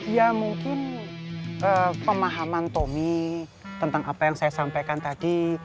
ya mungkin pemahaman tommy tentang apa yang saya sampaikan tadi